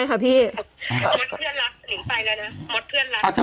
ไปแล้ว